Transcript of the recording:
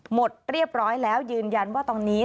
หมดเรียบร้อยแล้วยืนยันว่าตอนนี้